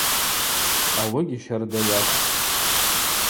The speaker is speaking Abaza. Ауыгьи щарда йахвпӏ!